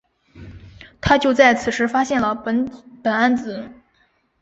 他就在此时发现了苯胺紫。